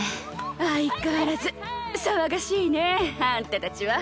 相変わらず騒がしいねあんたたちは。